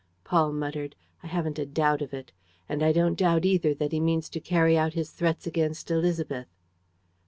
Paul muttered: "I haven't a doubt of it; and I don't doubt either that he means to carry out his threats against Élisabeth."